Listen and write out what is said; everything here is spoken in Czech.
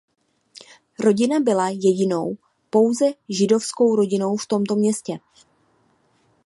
Rodina byla jedinou pouze židovskou rodinou v tomto městě.